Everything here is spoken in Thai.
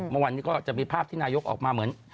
เมื่อวานนี้ก็จะมีภาพที่นายกออกมาเหมือน